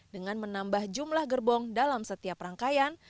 dengan menambah jumlah gerbong dalam setiap rangkaian